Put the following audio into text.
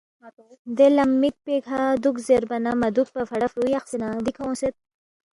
دے لم مِک پیکھہ دُوک زیربا نہ مہ دُوکپا فڑا فرُو یقسے نہ دِکھہ اونگسید